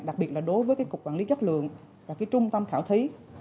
đặc biệt là đối với cái cục quản lý chất lượng và trung tâm khảo thí